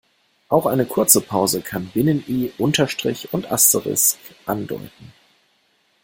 Auch eine kurze Pause kann Binnen-I, Unterstrich und Asterisk andeuten.